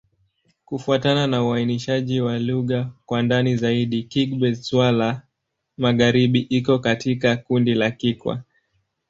Kufuatana na uainishaji wa lugha kwa ndani zaidi, Kigbe-Xwla-Magharibi iko katika kundi la Kikwa.